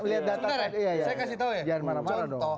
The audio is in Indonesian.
saya kasih tau ya contoh